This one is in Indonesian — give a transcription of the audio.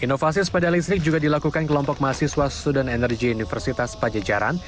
inovasi sepeda listrik juga dilakukan kelompok mahasiswa sudan energy universitas pajajaran